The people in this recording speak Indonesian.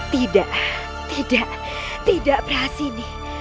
tidak tidak tidak prahasini